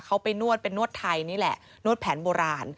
เขาไปนวดเป็นนวดไทยนี่แหละนวดแผนโบราณ